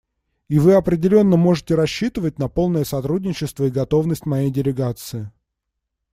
И вы определенно можете рассчитывать на полное сотрудничество и готовность моей делегации.